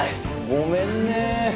ごめんね。